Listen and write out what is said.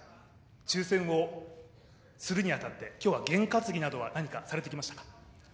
抽選をするに当たっては、今日はゲン担ぎなどは何かされてきましたか？